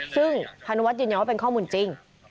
ซึ่งพานุวัฒนยืนยันว่าเป็นข้อมูลจริง